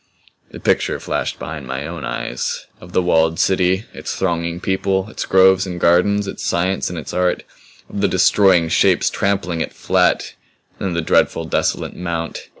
The picture flashed behind my own eyes of the walled city, its thronging people, its groves and gardens, its science and its art; of the Destroying Shapes trampling it flat and then the dreadful, desolate mount.